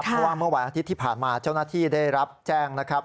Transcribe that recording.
เพราะว่าเมื่อวันอาทิตย์ที่ผ่านมาเจ้าหน้าที่ได้รับแจ้งนะครับ